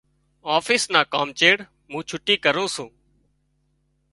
آفيس نا ڪام چيڙ مُون ڇُٽُو ڪرُون سُون۔